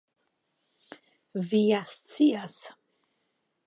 Vi ja scias!